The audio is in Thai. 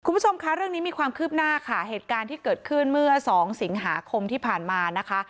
คุณผู้ชมคะเรื่องนี้มีความคืบหน้าค่ะเหตุการณ์ที่เกิดขึ้นเมื่อสองสิงหาคมที่ผ่านมานะคะ